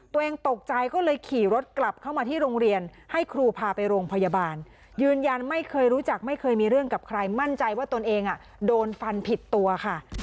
ตัวเองตกใจก็เลยขี่รถกลับเข้ามาที่โรงเรียนให้ครูพาไปโรงพยาบาลยืนยันไม่เคยรู้จักไม่เคยมีเรื่องกับใครมั่นใจว่าตนเองโดนฟันผิดตัวค่ะ